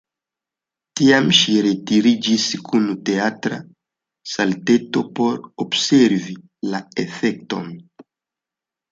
Tiam ŝi retiriĝis kun teatra salteto, por observi la efekton.